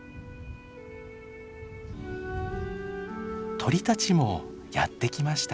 鳥たちもやって来ました。